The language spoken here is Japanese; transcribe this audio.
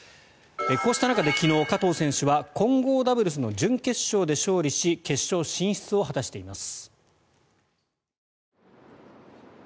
こうした中で昨日、加藤選手は混合ダブルスの準決勝で勝利し決勝進出を果たしています。